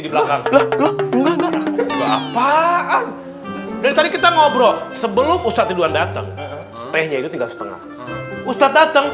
apaan dari kita ngobrol sebelum ustadz ridwan datang tehnya itu tiga setengah ustadz dateng